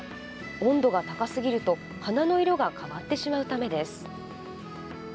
温度が高すぎると花の色が変わってしまうためです。